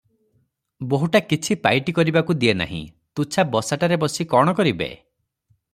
ବୋହୂଟା କିଛି ପାଇଟି କରିବାକୁ ଦିଏ ନାହିଁ, ତୁଚ୍ଛା ବସାଟାରେ ବସି କଣ କରିବେ?